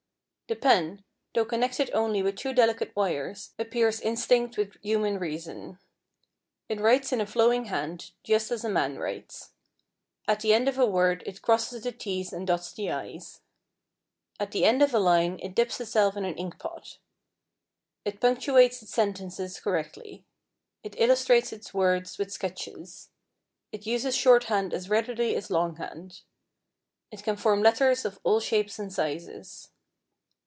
The pen, though connected only with two delicate wires, appears instinct with human reason. It writes in a flowing hand, just as a man writes. At the end of a word it crosses the t's and dots the i's. At the end of a line it dips itself in an inkpot. It punctuates its sentences correctly. It illustrates its words with sketches. It uses shorthand as readily as longhand. It can form letters of all shapes and sizes.